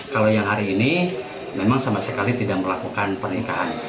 kalau yang hari ini memang sama sekali tidak melakukan pernikahan